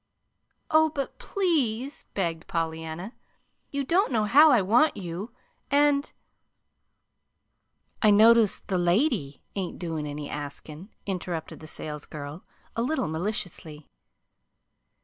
"Oh, but PLEASE," begged Pollyanna. "You don't know how I want you, and " "I notice the lady ain't doin' any askin'," interrupted the salesgirl, a little maliciously.